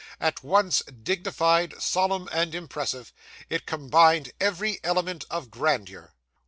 At once dignified, solemn, and impressive, it combined every element of grandeur.